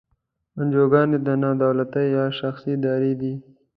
انجوګانې نا دولتي یا شخصي ادارې دي.